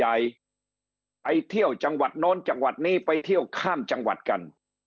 ไปเที่ยวจังหวัดโน้นจังหวัดนี้ไปเที่ยวข้ามจังหวัดกัน